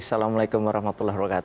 assalamualaikum wr wb